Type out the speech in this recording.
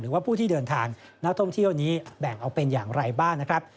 ว่าผู้ที่เดินทางนักท่องเที่ยวนี้แบ่งเอาเป็นอย่างไรบ้างนะครับ